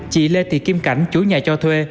chị lê thị kim cảnh chủ nhà cho thuê